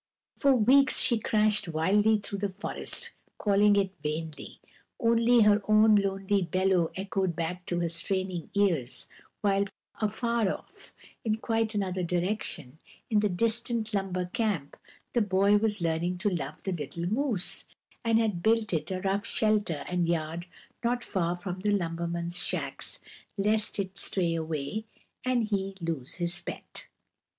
For weeks she crashed wildly through the forest, calling it vainly; only her own lonely bellow echoed back to her straining ears, while afar off, in quite another direction, in the distant lumber camp the boy was learning to love the little moose, and had built it a rough shelter and yard not far from the lumbermen's shacks, lest it stray away, and he lose his pet.